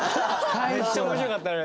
めっちゃ面白かったあれ。